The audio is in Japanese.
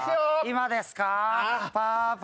今ですか？